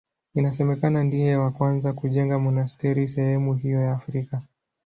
Inasemekana ndiye wa kwanza kujenga monasteri sehemu hiyo ya Afrika.